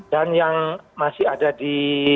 dan yang masih ada di